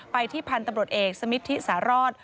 ที่พันธุ์ตำรวจเอกสมิทธิสารอด